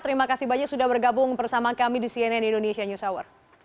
terima kasih banyak sudah bergabung bersama kami di cnn indonesia news hour